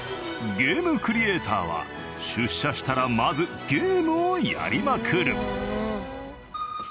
ゲームクリエイターは出社したらまずゲームをやりまくる。